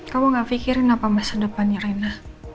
kamu gak mikirin apa masa depannya rena